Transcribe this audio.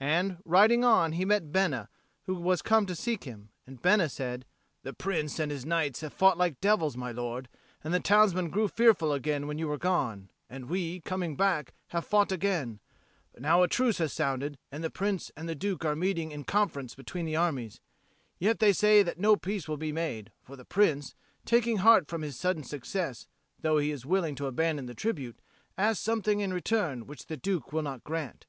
And, riding on, he met Bena, who was come to seek him. And Bena said, "The Prince and his knights have fought like devils, my lord, and the townsmen grew fearful again when you were gone; and we, coming back, have fought again. But now a truce has sounded, and the Prince and the Duke are meeting in conference between the armies. Yet they say that no peace will be made; for the Prince, taking heart from his sudden success, though he is willing to abandon the tribute, asks something in return which the Duke will not grant.